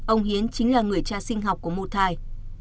ông hiến chính là người cha sinh học của một thai